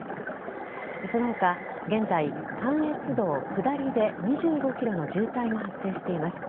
その他、現在関越道下りで２５ｋｍの渋滞が発生しています。